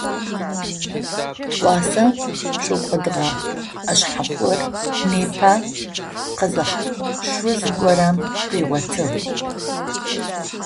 Тыгъуасэ пшӏокӏодыгъэ ӏэшъхьэхъур непэ къэзэхъо шъуз горэм къыгъотыгъ.